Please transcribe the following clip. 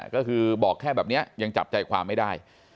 ก็คือบอกแค่แบบนี้ยังจับใจความไม่ได้